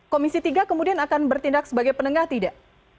komisi tiga kemudian akan bertindak sebagai penengah tidak